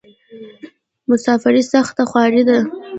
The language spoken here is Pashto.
مسافري سخته خواری ده.